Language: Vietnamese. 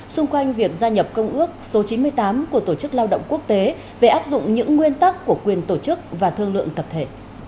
xung quanh việc gia nhập công ước số chín mươi tám của tổ chức lao động quốc tế về áp dụng những nguyên tắc của quyền tổ chức và thương lượng tập thể